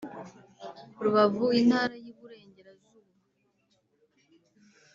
Rubavu Intara y Iburengerazuba